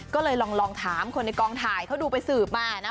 ก็เลยลองถามคนในกองถ่ายเขาดูไปสืบมานะ